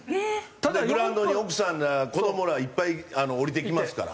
グラウンドに奥さんが子どもらいっぱい降りてきますから。